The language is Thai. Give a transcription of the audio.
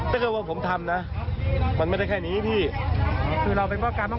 เพราะอะไรถึงทะเลากันอ่ะพี่ตอนนั้น